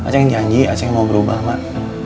ceng janji ceng mau berubah mak